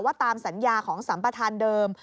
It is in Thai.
ว่าตามสัญญาของสัมปทานเดิม